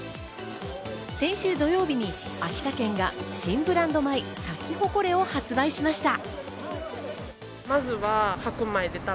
先週土曜日に秋田県が新ブランド米・サキホコレを発売しました。